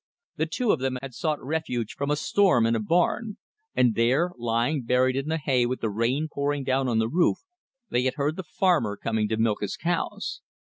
The two of them had sought refuge from a storm in a barn, and there, lying buried in the hay with the rain pouring down on the roof, they had heard the farmer coming to milk his cows.